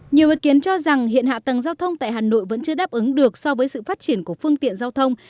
nhiều ý kiến cho rằng hiện hạ tầng giao thông tại hà nội vẫn chưa đáp ứng được so với sự phát triển của phương tiện giao thông